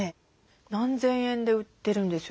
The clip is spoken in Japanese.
何千円で売ってるんですよ